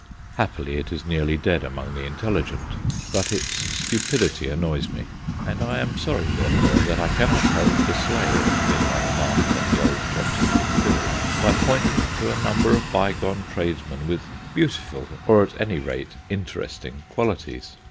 Happily, it is nearly dead among the intelligent, but its stupidity annoys me, and I am sorry, therefore, that I cannot help to slay it, in my remarks on the old shops of Piccadilly, by pointing to a number of by gone tradesmen with beautiful, or at any rate interesting qualities.